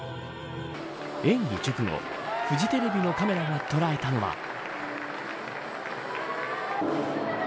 演技直後、フジテレビのカメラが捉えたのは。